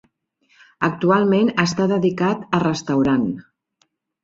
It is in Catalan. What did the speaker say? Actualment està dedicat a restaurant.